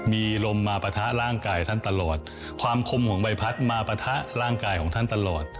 มีลมมาปะทะร่างกายท่านตลอดความคมของใบพัดมาปะทะร่างกายของท่านตลอด